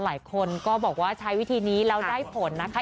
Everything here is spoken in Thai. หลายคนก็บอกว่าใช้วิธีนี้แล้วได้ผลนะคะ